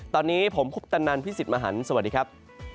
ตอนนี้ผมคุปตันนันพี่สิทธิ์มหันฯสวัสดีครับ